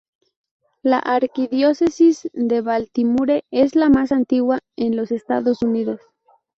La Arquidiócesis de Baltimore es la más antigua en los Estados Unidos.